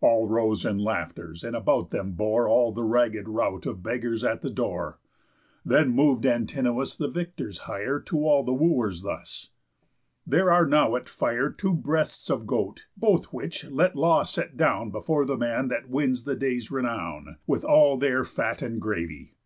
All rose in laughters; and about them bore All the ragg'd rout of beggars at the door. Then mov'd Antinous the victor's hire To all the Wooers thus: "There are now at fire Two breasts of goat; both which let law set down Before the man that wins the day's renown, With all their fat and gravy.